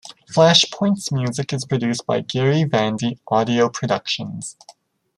Flashpoint's music is produced by Gary Vandy Audio Productions.